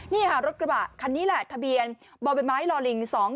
นี่ฮะรถกระบะคันนี้แหละทะเบียนบอร์แบ็บไม้ลอหลิงสอง